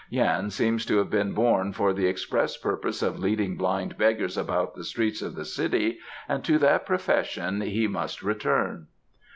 Yan seems to have been born for the express purpose of leading blind beggars about the streets of the city and to that profession he must return."